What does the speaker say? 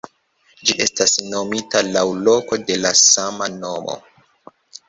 Ĝi estas nomita laŭ loko de la sama nomo.